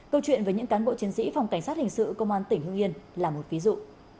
câu chuyện với những cán bộ chiến sĩ phòng cảnh sát hình sự công an tỉnh hưng yên là một ví dụ